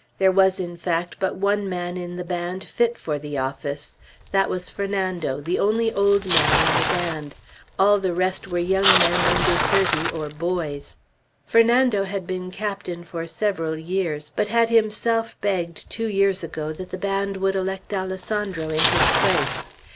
There was, in fact, but one man in the band fit for the office. That was Fernando, the only old man in the band; all the rest were young men under thirty, or boys. Fernando had been captain for several years, but had himself begged, two years ago, that the band would elect Alessandro in his place.